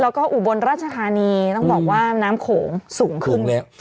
แล้วก็อุบลราชธานีต้องบอกว่าน้ำโขงสูงขึ้นแล้ว